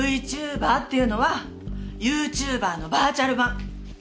Ｖチューバーっていうのはユーチューバーのバーチャル版。